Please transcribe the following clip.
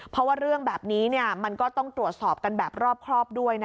เพราะว่าเรื่องแบบนี้มันก็ต้องตรวจสอบกันแบบรอบครอบด้วย